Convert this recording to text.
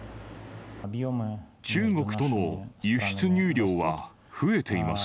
中国との輸出入量は増えています。